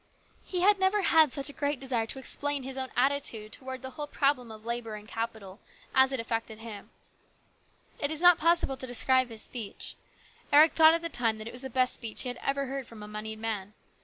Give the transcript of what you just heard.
He had never had such a great desire to explain his own attitude towards the whole problem of labour and capital, as it affected him. It is not possible to describe his speech. Eric thought at the time that it was the best speech he had ever heard from a moneyed man.